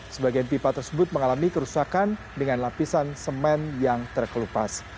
sebagian pipa tersebut mengalami kerusakan dengan lapisan semen yang terkelupas